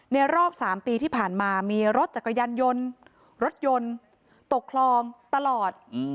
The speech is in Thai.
รอบ๓ปีที่ผ่านมามีรถจักรยานยนต์รถยนต์ตกคลองตลอด